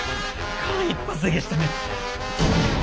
間一髪でげしたね。